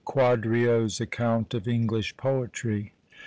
QUADRIO'S ACCOUNT OF ENGLISH POETRY.